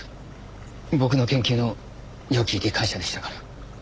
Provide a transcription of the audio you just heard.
僕の研究のよき理解者でしたから。